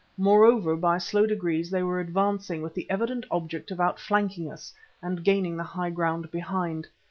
Moreover, by slow degrees they were advancing with the evident object of outflanking us and gaining the high ground behind.